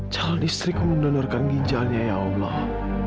calon istriku mendonorkan ginjalnya ya allah